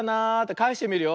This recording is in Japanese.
かえしてみるよ。